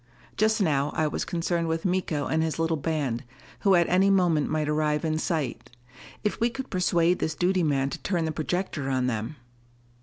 Just now I was concerned with Miko and his little band, who at any moment might arrive in sight. If we could persuade this duty man to turn the projector on them!